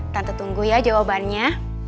tante tunggu ya jawabannya